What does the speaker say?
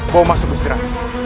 kau masuk istirahat